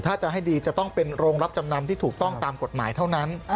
ถ้าจะให้ดีจะต้องเป็นโรงรับจำนำที่ถูกต้องตามกฎหมายเท่านั้น